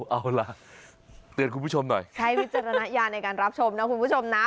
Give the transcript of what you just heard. เอาล่ะเตือนคุณผู้ชมหน่อยใช้วิจารณญาณในการรับชมนะคุณผู้ชมนะ